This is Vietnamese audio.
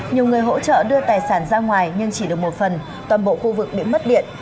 nhiều người hỗ trợ đưa tài sản ra ngoài nhưng chỉ được một phần toàn bộ khu vực bị mất điện